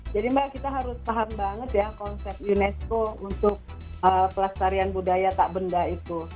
jadi mbak kita harus paham banget ya konsep unesco untuk pelestarian budaya tak benda itu